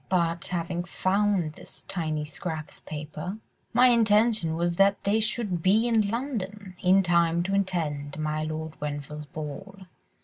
But having found this tiny scrap of paper, my intention was that they should be in London, in time to attend my Lord Grenville's ball.